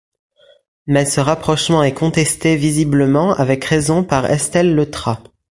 Mais ce rapprochement est contesté visiblement avec raison par Estelle Leutrat.